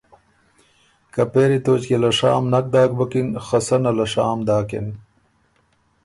که پېری توݭکيې له شام نک داک بُکِن خه سنه له شام داکِن۔